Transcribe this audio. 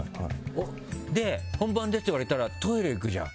で、本番ですって言われたらトイレ行くじゃん。